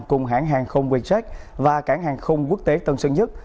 cùng hãng hàng không vietjet và cảng hàng không quốc tế tân sơn nhất